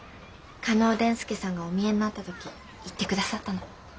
嘉納伝助さんがお見えになった時言って下さったの。